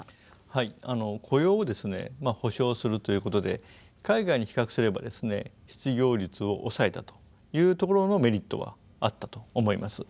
はい雇用を保障するということで海外に比較すればですね失業率を抑えたというところのメリットはあったと思います。